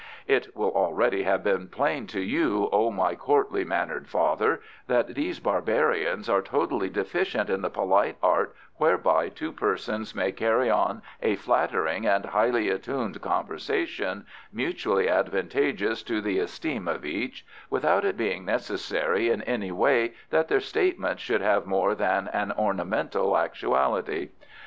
It will already have been made plain to you, O my courtly mannered father, that these barbarians are totally deficient in the polite art whereby two persons may carry on a flattering and highly attuned conversation, mutually advantageous to the esteem of each, without it being necessary in any way that their statements should have more than an ornamental actuality.